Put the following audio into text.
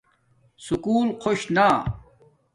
سکُول خوش نا